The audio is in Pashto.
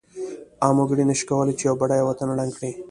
عام وګړی نشی کولای چې یو بډایه وطن ړنګ کړی.